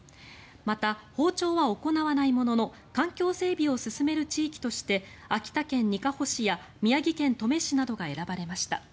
また、放鳥は行わないものの環境整備を進める地域として秋田県にかほ市や宮城県登米市などが選ばれました。